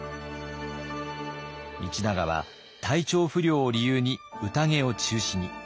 道長は体調不良を理由に宴を中止に。